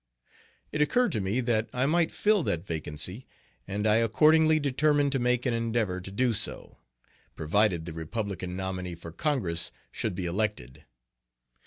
It occurred to me that I might fill that vacancy, and I accordingly determined to make an endeavor to do so, provided the Republican nominee for Congress should be elected.